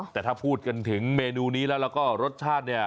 แต่ถ้าพูดกันถึงเมนูนี้แล้วแล้วก็รสชาติเนี่ย